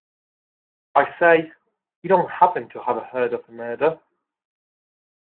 I say, you don't happen to have heard of a murder?